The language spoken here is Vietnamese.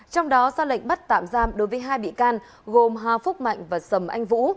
trong đó ra lệnh bắt tạm giam đối với hai bị can gồm hà phúc mạnh và sầm anh vũ